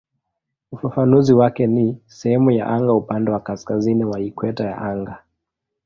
Ufafanuzi wake ni "sehemu ya anga upande wa kaskazini wa ikweta ya anga".